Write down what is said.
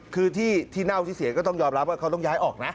คือที่เน่าที่เสียก็ต้องยอมรับว่าเขาต้องย้ายออกนะ